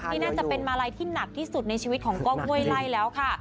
นี่น่าจะเป็นมาลัยที่หนักที่สุดในชีวิตของกล้องห้วยไล่แล้วค่ะ